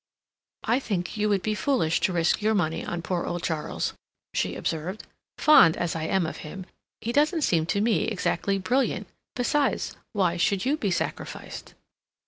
"I think you'd be foolish to risk your money on poor old Charles," she observed. "Fond as I am of him, he doesn't seem to me exactly brilliant.... Besides, why should you be sacrificed?"